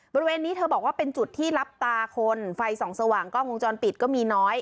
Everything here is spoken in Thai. บริเวณนี้เธอบอกว่าเป็นจุดที่รับตาคนไฟส่องสว่างกล้องวงจรปิดก็มีน้อย